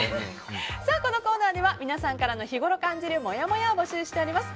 このコーナーでは皆さんからの日ごろ感じるもやもやを募集しております。